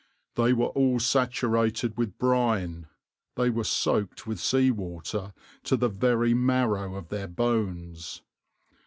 They were all saturated with brine; they were soaked with sea water to the very marrow of their bones.